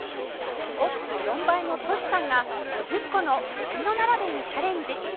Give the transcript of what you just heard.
オッズ４倍のトシさんが５０個のドミノ並べにチャレンジ